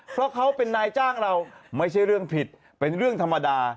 เพราะเขาเป็นนายจ้างเราไม่ใช่เรื่องผิดเป็นเรื่องธรรมดา